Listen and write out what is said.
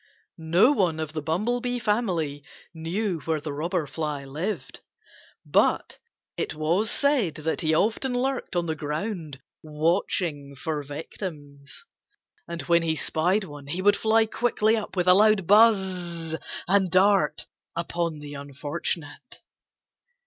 No one of the Bumblebee family knew where the Robber Fly lived. But it was said that he often lurked on the ground, watching for victims. And when he spied one he would fly quickly up with a loud buzz and dart upon the unfortunate.